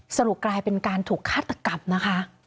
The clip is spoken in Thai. สรุปกลายเป็นการถูกฆาตกรรมนะคะ